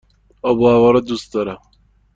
آب و هوا را دوست دارم.